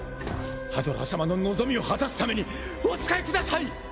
ハドラー様の望みを果たすためにお使いください！